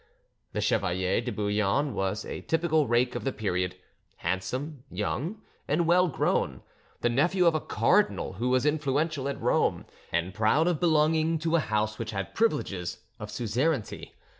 The Chevalier de Bouillon was a typical rake of the period, handsome, young, and well grown; the nephew of a cardinal who was influential at Rome, and proud of belonging to a house which had privileges of suzerainty.